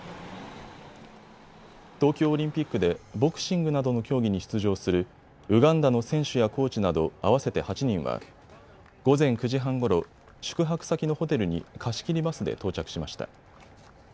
東京オリンピックでボクシングなどの競技に出場するウガンダの選手やコーチなど合わせて８人は午前９時半ごろ、宿泊先のホテルに貸し切りバスで到着しました。